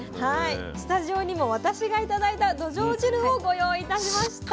スタジオにも私が頂いたどじょう汁をご用意いたしました。